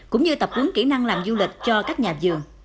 cũng như tập huấn kỹ năng làm du lịch cho các nhà vườn